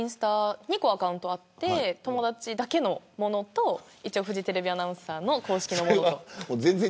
２個アカウントがあって友達だけのものとフジテレビアナウンサーの公式のもの。